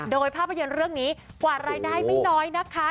โดยภาพยนตร์เรื่องนี้กว่ารายได้ไม่น้อยนะคะ